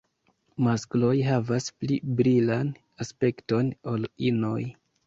Maskloj havas pli brilan aspekton ol inoj.